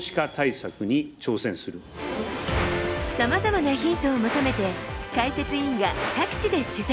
さまざまなヒントを求めて解説委員が各地で取材。